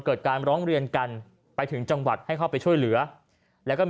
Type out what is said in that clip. เกิดการร้องเรียนกันไปถึงจังหวัดให้เข้าไปช่วยเหลือแล้วก็มี